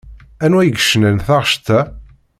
Anwa yecnan taɣect-a?